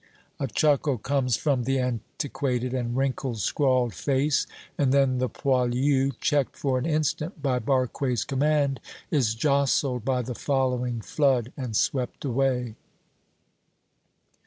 A chuckle comes from the antiquated and wrinkle scrawled face, and then the poilu, checked for an instant by Barque's command, is jostled by the following flood and swept away.